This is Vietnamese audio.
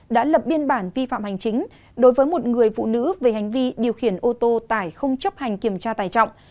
đã lập biên bản vi phạm hành chính đối với một người phụ nữ về hành vi điều khiển ô tô tải không chấp hành kiểm tra tải trọng